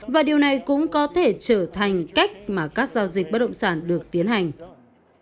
và điều này cũng có thể trở thành cách mà các giao dịch bất động sản được tiến hành